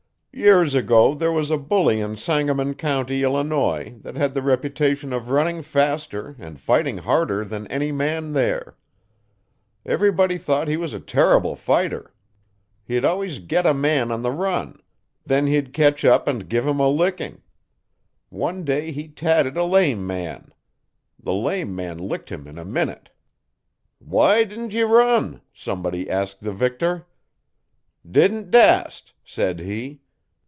'Years ago there was a bully in Sangamon County, Illinois, that had the reputation of running faster and fighting harder than any man there. Everybody thought he was a terrible fighter. He'd always get a man on the run; then he'd ketch up and give him a licking. One day he tadded a lame man. The lame man licked him in a minute. '"Why didn't ye run?" somebody asked the victor. '"Didn't dast," said he.